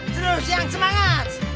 terus yang semangat